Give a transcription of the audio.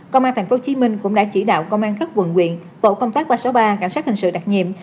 công an tp hcm cũng đã chỉ đạo công an các quận quyện tổ công tác ba trăm sáu mươi ba cảnh sát hình sự đặc nhiệm